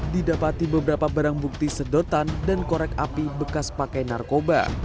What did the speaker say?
didapati beberapa barang bukti sedotan dan korek api bekas pakai narkoba